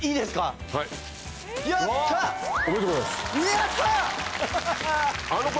やった！